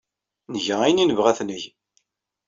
Nga ayen ay nebɣa ad t-neg.